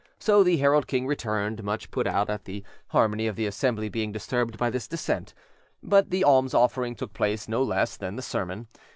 So the herald king returned, much put out at the harmony of the assembly being disturbed by this dissent; but the alms offering took place no less than the sermon.